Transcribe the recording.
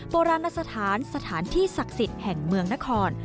โบราณสถานสถานที่ศักดิ์สิทธิ์แห่งเมืองนคร